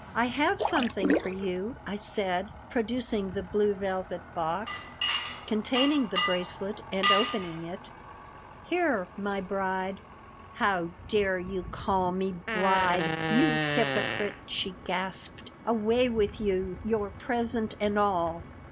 "I have something for you," I said, producing the blue velvet box containing the bracelet and opening it. "Here, my bride!" "How dare you call me 'bride,' you hypocrite?" she gasped. "Away with you, your present and all!"